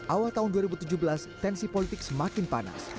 awal tahun dua ribu tujuh belas tensi politik semakin panas